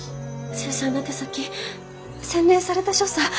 繊細な手先洗練された所作。